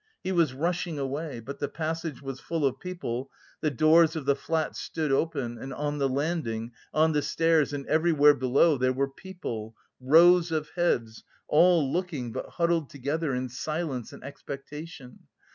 He was rushing away, but the passage was full of people, the doors of the flats stood open and on the landing, on the stairs and everywhere below there were people, rows of heads, all looking, but huddled together in silence and expectation.